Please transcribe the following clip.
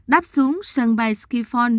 đáp xuống sân bay skifone